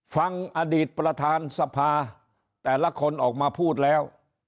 ฟังอดีตประธานสภาแต่ละคนออกมาพูดแล้ว